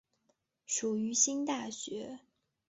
属于新大学。